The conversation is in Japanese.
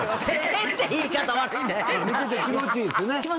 見てて気持ちいいっすよね。